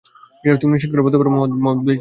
তুমি নিশ্চিত করে বলতে পার যে, মুহাম্মাদ বেঁচে আছে?